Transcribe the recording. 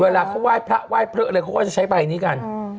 เวลาเขาไหว้พระไหว้พระอะไรเขาก็จะใช้ใบนี้กัน